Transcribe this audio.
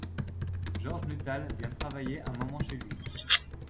George Nuttall vient travailler un moment chez lui.